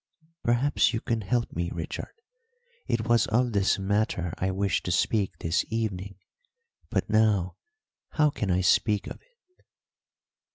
"Perhaps you can help me, Richard. It was of this matter I wished to speak this evening. But now how can I speak of it?"